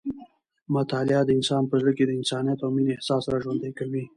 مطالعه د انسان په زړه کې د انسانیت او مینې احساس راژوندی کوي.